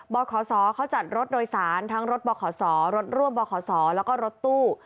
ขศเขาจัดรถโดยสารทั้งรถบขรถร่วมบขศแล้วก็รถตู้